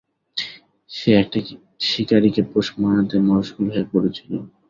সে একটা শিকারীকে পোষ মানাতে মশগুল হয়ে পড়েছিল।